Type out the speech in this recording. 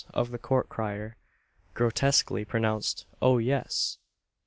of the Court crier grotesquely pronounced "O yes!"